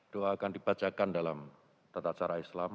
doa akan dibacakan dalam tata cara islam